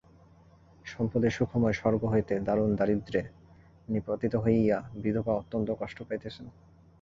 সম্পদের সুখময় স্বর্গ হইতে দারুণ দারিদ্র্যে নিপতিত হইয়া বিধবা অত্যন্ত কষ্ট পাইতেছেন।